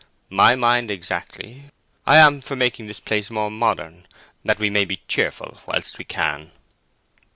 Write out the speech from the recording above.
My mind exactly. I am for making this place more modern, that we may be cheerful whilst we can."